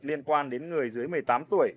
liên quan đến người dưới một mươi tám tuổi